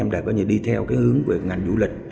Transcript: để đi theo hướng của ngành du lịch